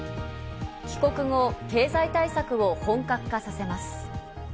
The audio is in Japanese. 帰国後、経済対策を本格化させます。